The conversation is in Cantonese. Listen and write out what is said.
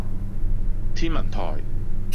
天文台